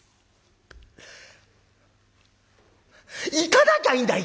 「行かなきゃいいんだ